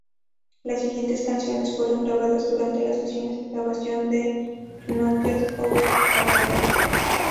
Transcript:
Las siguientes canciones fueron grabadas durante las sesiones de grabación de "Knocked Out Loaded".